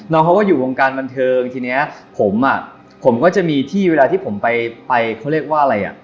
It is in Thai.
น้องเขาก็อยู่วงการบันเทิงทีเนี้ยผมอ่ะผมผมก็จะมีที่เวลาที่ผมไปเขาเรียกว่าอะไรอ่ะ